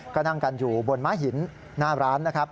ก็นั่งกันอยู่บนม้าหินหน้าร้าน